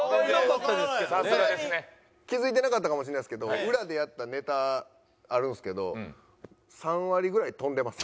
気付いてなかったかもしれないですけど裏でやったネタあるんですけど３割ぐらい飛んでます。